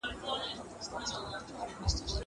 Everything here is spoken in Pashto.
کېدای سي سبزېجات خراب وي.